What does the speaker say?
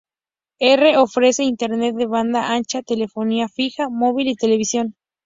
R ofrece Internet de banda ancha, telefonía fija, móvil y televisión.